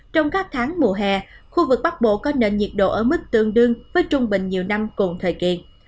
trong các tháng mùa hè khu vực bắc bộ có nền nhiệt độ ở mức tương đương với trung bình nhiều năm cùng thời kỳ